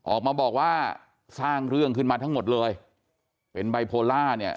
ออกมาบอกว่าสร้างเรื่องขึ้นมาทั้งหมดเลยเป็นไบโพล่าเนี่ย